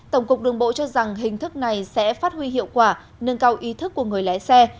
tổng cục đường bộ cho rằng hình thức này sẽ phát huy hiệu quả nâng cao ý thức của người lái xe